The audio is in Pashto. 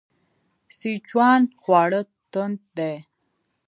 سیچوان خواړه توند دي.